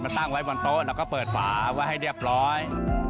ตั้งไว้บนโต๊ะแล้วก็เปิดฝาไว้ให้เรียบร้อย